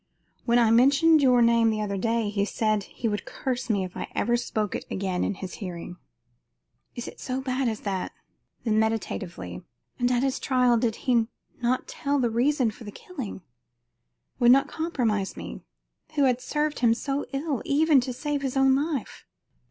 When I mentioned your name the other day he said he would curse me if I ever spoke it again in his hearing." "Is it so bad as that?" Then, meditatively: "And at his trial he did not tell the reason for the killing? Would not compromise me, who had served him so ill, even to save his own life?